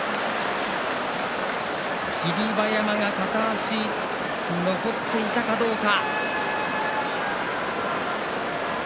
霧馬山が片足、残っていたかどうか。